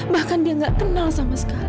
bahkan dia juga tidak punya hubungan dengan ibu